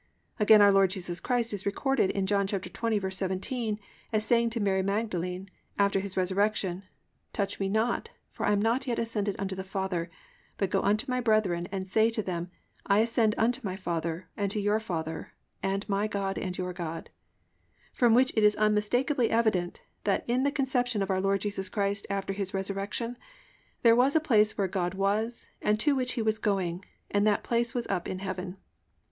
Again our Lord Jesus Christ is recorded in John 20:17 as saying to Mary Magdalene after His resurrection: +"Touch me not; for I am not yet ascended unto the Father: but go unto my brethren and say to them, I ascend unto my father and to your father and my God and your God,"+ from which it is unmistakably evident that in the conception of our Lord Jesus after His resurrection there was a place where God was and to which He was going, and that place was up in heaven.